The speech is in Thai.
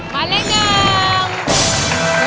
หมายเรื่องหนึ่ง